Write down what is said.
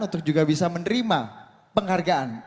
untuk juga bisa menerima penghargaan